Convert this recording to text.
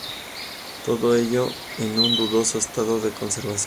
Todo ello en un dudoso estado de conservación.